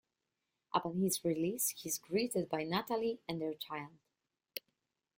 Upon his release, he is greeted by Natalie and their child.